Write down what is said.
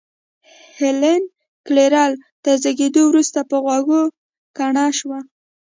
هېلېن کېلر تر زېږېدو وروسته پر غوږو کڼه شوه.